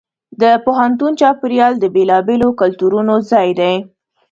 د پوهنتون چاپېریال د بېلابېلو کلتورونو ځای دی.